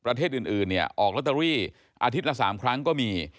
ประเทศอื่นเนี่ยออกลอตเตอรี่อาทิตย์ละ๓ครั้งก็มี